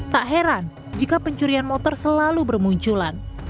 tak heran jika pencurian motor selalu bermunculan